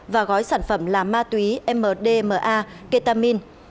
và gói sản phẩm là ma túy mdma ketamin